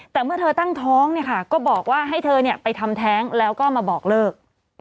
แต่เมื่อเธอตั้งท้องเนี่ยค่ะก็บอกว่าให้เธอไปทำแท้งแล้วก็มาบอกเลิก